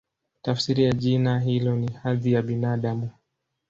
Tafsiri ya jina hilo ni "Hadhi ya Binadamu".